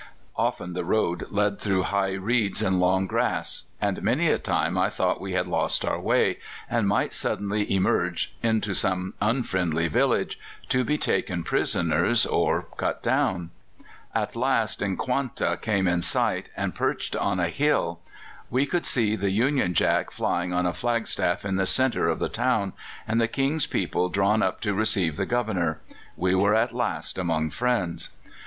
Often the road led through high reeds and long grass, and many a time I thought we had lost our way, and might suddenly emerge into some unfriendly village, to be taken prisoners or cut down. "At last N'kwanta came in sight, perched on a hill. We could see the Union Jack flying on a flagstaff in the centre of the town, and the King's people drawn up to receive the Governor. We were at last among friends.